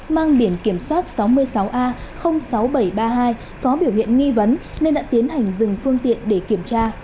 mang biển kiểm soát sáu mươi sáu a sáu nghìn bảy trăm ba mươi hai có biểu hiện nghi vấn nên đã tiến hành dừng phương tiện để kiểm tra